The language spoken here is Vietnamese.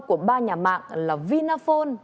của ba nhà mạng là vinaphone